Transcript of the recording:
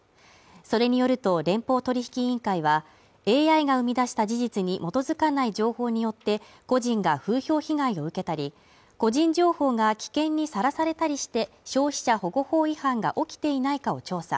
それによると、連邦取引委員会は、ＡＩが生み出した事実に基づかない情報によって個人が風評被害を受けたり、個人情報が危険にさらされたりして、消費者保護法違反が起きていないかを調査